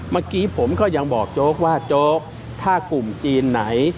เมื่อกี้ผมก็ยังบอกโจ๊กว่าโจ๊กถ้ากลุ่มจีนไหน